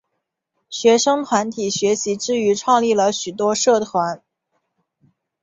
学生团体学习之余创立了许多社团。